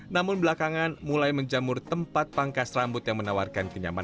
namun belakangan mulai menjamur tempat pangkas rambut yang menawarkan kenyamanan